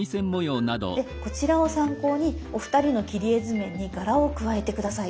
でこちらを参考にお二人の切り絵図面に柄を加えて下さい。